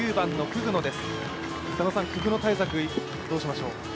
クグノ対策、どうしましょう？